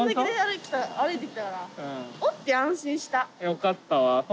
よかったわ。